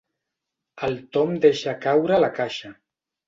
El Tom deixa caure la caixa.